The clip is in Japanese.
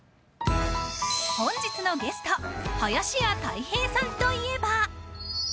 本日のゲスト林家たい平さんといえば。